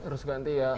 harus ganti ya